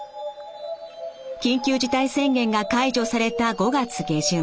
緊急事態宣言が解除された５月下旬。